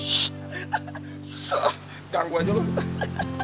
soh ganggu aja lo